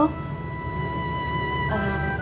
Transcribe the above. itu yang jadi pikiran saya dok